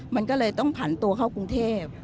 มันก็เลยต้องผันตัวเข้ากรุงเทพ